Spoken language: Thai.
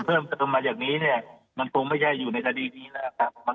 จุดเพิ่มสำหรับอย่างนี้มันตรงไม่แย่อยู่ในสดีนี้แล้ว